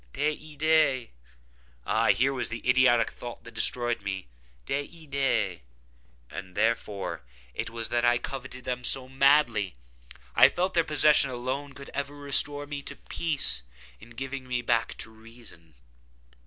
Des idÃ©es!—ah here was the idiotic thought that destroyed me! Des idÃ©es!—ah, therefore it was that I coveted them so madly! I felt that their possession could alone ever restore me to peace, in giving me back to reason.